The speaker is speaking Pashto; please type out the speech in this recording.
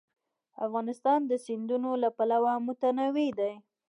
افغانستان د سیندونه له پلوه متنوع دی.